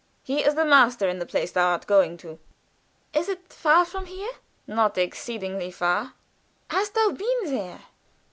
He is the master in the place thou art going to." "Is it far from here?" "Not exceedingly far." "Hast thou been there?"